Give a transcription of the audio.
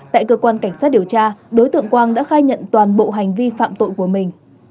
tại cơ quan cảnh sát điều tra đối tượng quang đã khai nhận toàn bộ hành vi phạm tội của mình